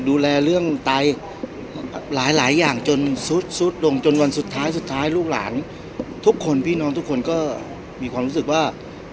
ดูแลเรื่องไตหลายอย่างจนสุดลงจนวันสุดท้ายสุดท้ายลูกหลานทุกคนพี่น้องทุกคนก็มีความรู้สึกว่า